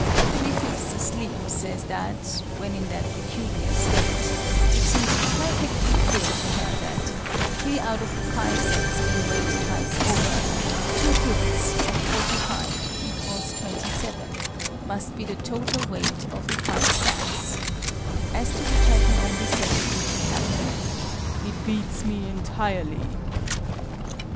THREE FIFTHS ASLEEP says that (when in that peculiar state) "it seemed perfectly clear" to her that, "3 out of the 5 sacks being weighed twice over, 3/5 of 45 = 27, must be the total weight of the 5 sacks." As to which I can only say, with the Captain, "it beats me entirely!"